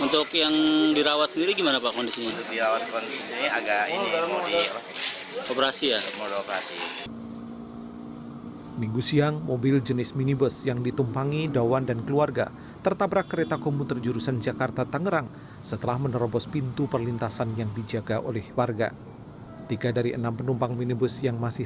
tiga korban diperbolehkan pulang setelah dirawat di rumah sakit umum tanggerang